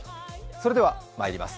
それではまいります。